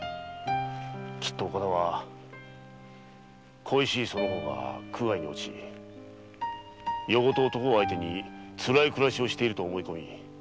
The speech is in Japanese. きっと岡田は恋しいその方が苦界に落ち夜ごと男を相手につらい暮らしをしていると思い